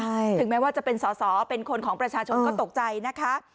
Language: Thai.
ถึงแม้ว่าจะเป็นสอสอเป็นคนของประชาชนก็ตกใจนะคะ